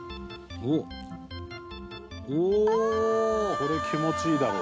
これ気持ちいいだろう。